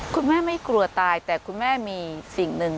คุณแม่ไม่กลัวตายแต่คุณแม่มีสิ่งหนึ่ง